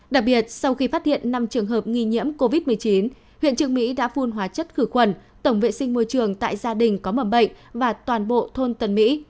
đặc biệt sau khi phát hiện năm trường hợp nghi nhiễm covid một mươi chín huyện trường mỹ đã phun hóa chất khử khuẩn tổng vệ sinh môi trường tại gia đình có mầm bệnh và toàn bộ thôn tân mỹ